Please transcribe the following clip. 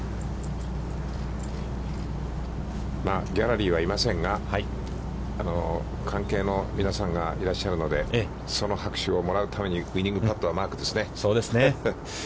ギャラリーはいませんが関係の皆さんがいらっしゃるので、その拍手をもらうためにウイニングパットはマークですね。